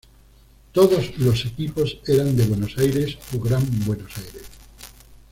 Todos los equipos eran de Buenos Aires o Gran Buenos Aires.